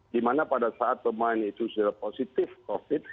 di mana pada saat pemain itu positif covid